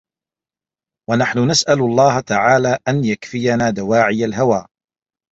وَنَحْنُ نَسْأَلُ اللَّهَ تَعَالَى أَنْ يَكْفِيَنَا دَوَاعِيَ الْهَوَى